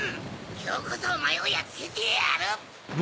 きょうこそおまえをやっつけてやる！